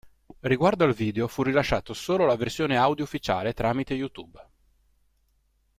Riguardo al video fu rilasciato solo la versione audio ufficiale tramite Youtube.